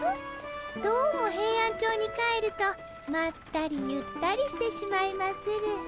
どうもヘイアンチョウに帰るとまったりゆったりしてしまいまする。